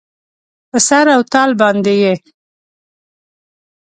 په سر او تال باندې یې